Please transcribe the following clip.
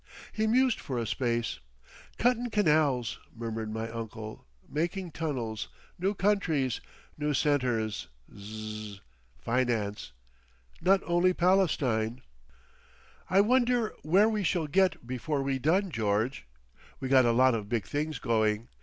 He mused for a space. "Cuttin' canals," murmured my uncle. "Making tunnels.... New countries.... New centres.... Zzzz.... Finance.... Not only Palestine. "I wonder where we shall get before we done, George? We got a lot of big things going.